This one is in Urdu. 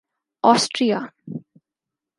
آسٹریا